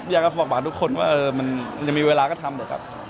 อยากจะบอกบาททุกคนว่าเออมันยังมีเวลาก็ทำเลยครับ